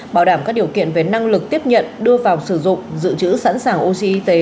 bảo đảm các điều kiện về năng lực tiếp nhận đưa vào sử dụng giữ chữ sẵn sàng oxy y tế